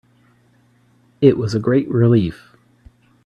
It was a great relief